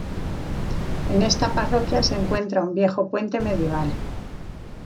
En esta parroquia se encuentra un viejo puente medieval